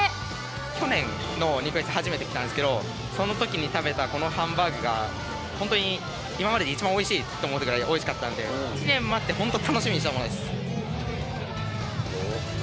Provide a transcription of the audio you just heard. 去年の肉フェス、初めて来たんですけど、そのときに食べたこのハンバーグが、本当に今までで一番おいしいと思うぐらいおいしかったんで、１年待って本当に楽しみにしていたものです。